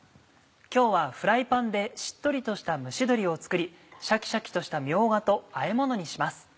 今日はフライパンでしっとりとした蒸し鶏を作りシャキシャキとしたみょうがとあえものにします。